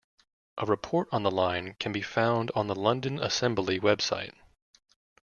A report on the line can be found on the London Assembly website.